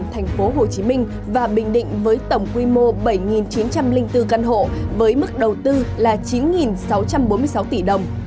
thành phố hồ chí minh và bình định với tổng quy mô bảy chín trăm linh bốn căn hộ với mức đầu tư là chín sáu trăm bốn mươi sáu tỷ đồng